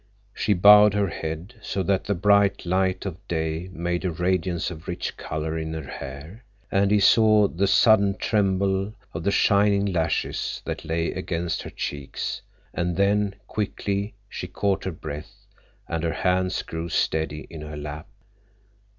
She bowed her head, so that the bright light of day made a radiance of rich color in her hair, and he saw the sudden tremble of the shining lashes that lay against her cheeks; and then, quickly, she caught her breath, and her hands grew steady in her lap.